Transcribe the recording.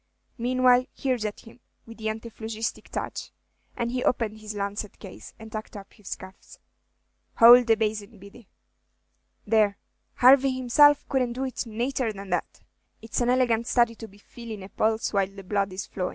Meanwhile, here's at him, with the antiphlogistic touch;" and he opened his lancet case, and tucked up his cuffs. "Houlde the basin, Biddy." "There, Harvey himself couldn't do it nater than that. It's an elegant study to be feelin' a pulse while the blood is flowin'.